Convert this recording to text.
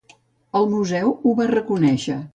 El museu ho va reconèixer.